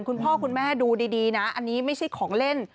คุณพ่อคุณแม่ดูดีนะอันนี้ไม่ใช่ของเล่น